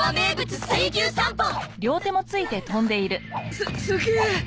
すすげえ！